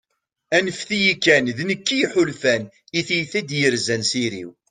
anfet-iyi kan, d nekk i yeḥulfan, i tyita i d-yerzan s iri-w